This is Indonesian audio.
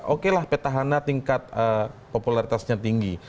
oke lah petahana tingkat popularitasnya tinggi